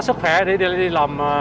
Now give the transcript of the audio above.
lúctrà của em